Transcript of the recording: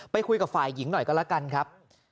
คุยกับฝ่ายหญิงหน่อยก็แล้วกันครับ